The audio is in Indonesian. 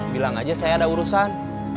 bilang aja saya ada urusan